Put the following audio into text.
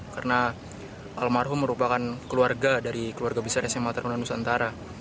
karena almarhum merupakan keluarga dari keluarga besar sma taruna nusantara